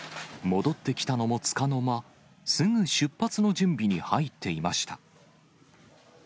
戻ってきたのもつかの間、すぐ出発の準備に入っていました。